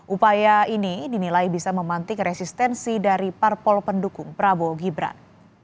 upaya ini dinilai bisa memantik resistensi dari parpol pendukung prabowo gibran